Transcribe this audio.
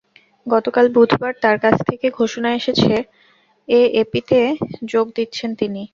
গতকাল বুধবার তাঁর কাছ থেকে ঘোষণা এসেছে, এএপিতে যোগ দিচ্ছেন তিনি।